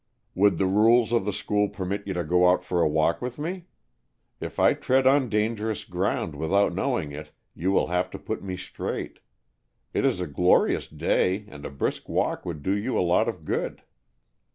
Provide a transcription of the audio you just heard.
"Would the rules of the school permit you to go out for a walk with me? If I tread on dangerous ground without knowing it, you will have to put me straight. It is a glorious day, and a brisk walk would do you a lot of good."